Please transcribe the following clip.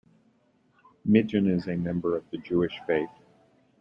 Migden is a member of the Jewish faith.